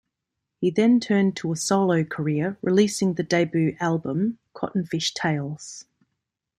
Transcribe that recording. He then turned to a solo career, releasing the debut album, "Cottonfish Tales".